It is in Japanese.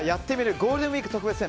ゴールデンウィーク特別編